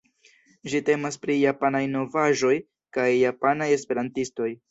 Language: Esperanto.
Ĝi temas pri Japanaj novaĵoj kaj japanaj esperantistoj.